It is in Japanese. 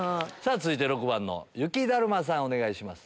続いて６番の雪だるまさんお願いします。